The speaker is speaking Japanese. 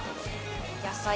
野菜。